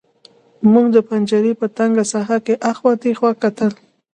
موږ د پنجرې په تنګه ساحه کې هاخوا دېخوا کتل